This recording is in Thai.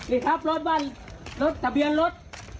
อิทธิพลภวรัฐบรรษรถะเบียนรถ